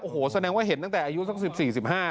โอ้โหแสดงว่าเห็นตั้งแต่อายุสัก๑๔๑๕